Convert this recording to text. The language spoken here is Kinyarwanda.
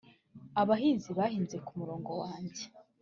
Abahinzi bahinze ku mugongo wanjye